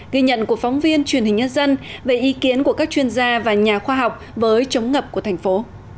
ghi nhận của phóng viên truyền hình nhân dân về ý kiến của các chuyên gia và nhà khoa học với chống ngập của thành phố